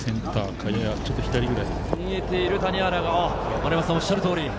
丸山さんのおっしゃる通り。